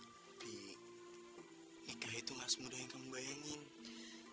tapi nikah itu gak semudah yang kamu bayangin